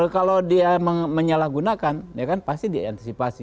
kalau dia menyalahgunakan pasti diantisipasi